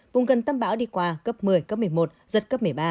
vùng gần tâm bão đi qua cấp một mươi cấp một mươi một giật cấp một mươi ba